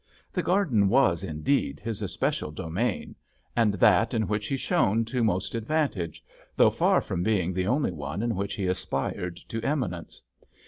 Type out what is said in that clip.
The garden was, indeed, his especial domain, and that in which he shone to most advantage, though far from being the only one in which he aspired to eminence.